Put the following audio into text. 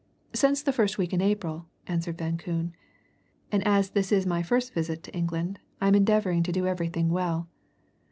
"Since the first week in April," answered Van Koon, "And as this is my first visit to England, I'm endeavouring to do everything well.